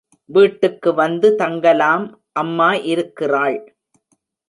வீடுக்கு வந்து தங்கலாம் அம்மா இருக்கிறாள்.